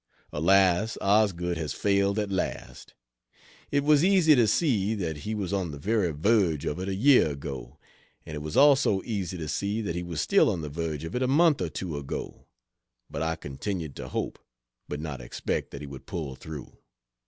Alas, Osgood has failed at last. It was easy to see that he was on the very verge of it a year ago, and it was also easy to see that he was still on the verge of it a month or two ago; but I continued to hope but not expect that he would pull through.